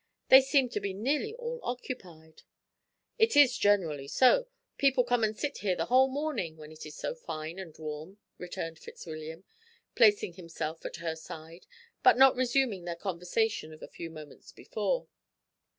They seem to be nearly all occupied." "It is generally so; people come and sit here the whole morning when it is so fine and warm," returned Fitzwilliam, placing himself at her side, but not resuming their conversation of a few moments before.